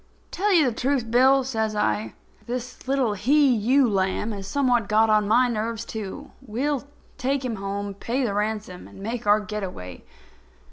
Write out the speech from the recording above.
"Tell you the truth, Bill," says I, "this little he ewe lamb has somewhat got on my nerves too. We'll take him home, pay the ransom and make our get away."